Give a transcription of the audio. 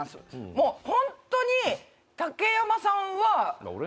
もうホントに竹山さんは。